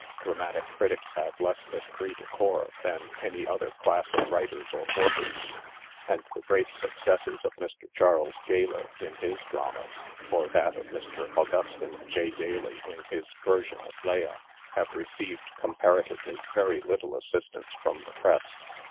Dramatic critics have less esprit du corps than any other class of writers or workers, and the great successes of Mr. Charles Gayler in his dramas, or that of Mr. Augustine J. Daly in his version of Leah, have received, comparatively, very little assistance from the Press.